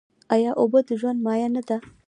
آیا اوبه د ژوند مایه نه ده؟